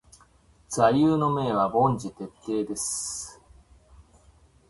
座右の銘は凡事徹底です。